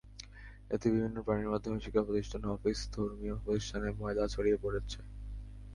এতে বিভিন্ন প্রাণীর মাধ্যমে শিক্ষাপ্রতিষ্ঠান, অফিস, ধর্মীয় প্রতিষ্ঠানে ময়লা ছড়িয়ে পড়ছে।